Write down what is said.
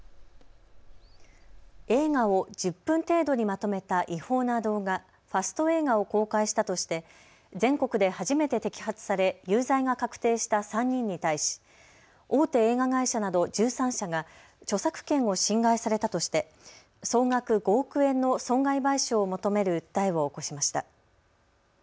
映画を１０分程度にまとめた違法な動画、ファスト映画を公開したとして全国で初めて摘発され有罪が確定した３人に対し大手映画会社など１３社が著作権を侵害されたとして総額５億円の損害賠償を求める訴えを起こしました。